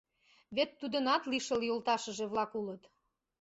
Вет тудынат лишыл йолташыже-влак улыт!